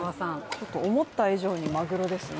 ちょっと思った以上にマグロですね。